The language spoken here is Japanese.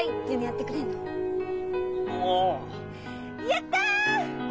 やった！